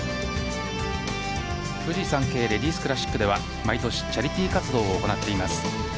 フジサンケイレディスクラシックでは、毎年チャリティ活動を行っています。